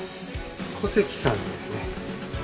古関さんですね？